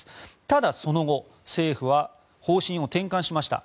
ただ、その後政府は方針を転換しました。